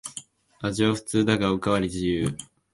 味は普通だがおかわり自由